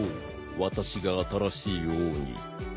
私が新しい王に。